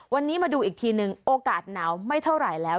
วันนี้มาดูอีกทีนึงโอกาสหนาวไม่เท่าไหร่แล้ว